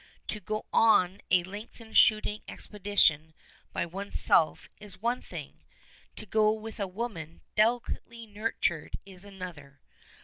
To go on a lengthened shooting expedition by one's self is one thing, to go with a woman delicately nurtured is another.